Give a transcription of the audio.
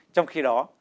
trong khi đó